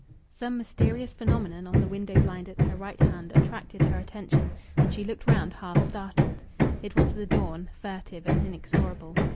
Some mysterious phenomenon on the window blind at her right hand attracted her attention, and she looked round, half startled. It was the dawn, furtive and inexorable.